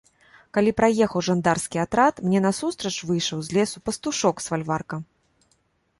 Калі праехаў жандарскі атрад, мне насустрач выйшаў з лесу пастушок з фальварка.